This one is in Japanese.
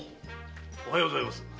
おはようございます。